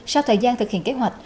sau thời gian thực hiện kế hoạch